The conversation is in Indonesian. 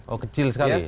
oh kecil sekali